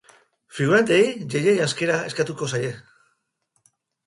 Figuranteei ye-ye janzkera eskatuko zaie.